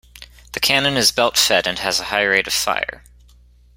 The cannon is belt fed and has a high rate of fire.